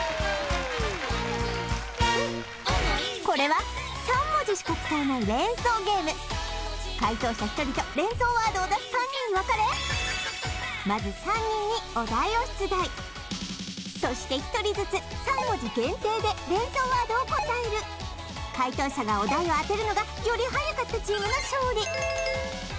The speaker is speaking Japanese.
これは３文字しか使えない連想ゲーム解答者１人と連想ワードを出す３人に分かれまず３人にお題を出題そして１人ずつ３文字限定で連想ワードを答える解答者がお題を当てるのがより早かったチームの勝利